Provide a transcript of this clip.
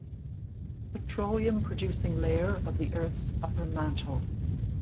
Petroleum-producing layer of the Earth's upper mantle.